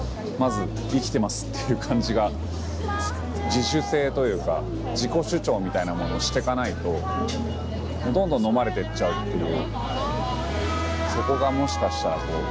自主性というか自己主張みたいなものをしてかないとどんどんのまれてっちゃうっていう。